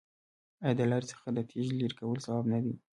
آیا د لارې څخه د تیږې لرې کول ثواب نه دی؟